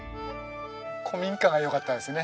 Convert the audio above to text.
古民家がよかったですね